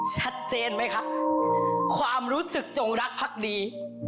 ชัดเจนไหมคะความรู้สึกจงรักพักดี